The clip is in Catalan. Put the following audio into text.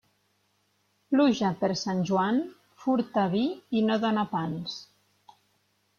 Pluja per Sant Joan, furta vi i no dóna pans.